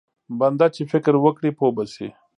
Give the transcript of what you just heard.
بنده چې فکر وکړي پوه به شي.